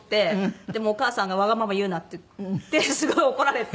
お母さんが「わがまま言うな」って言ってすごい怒られて。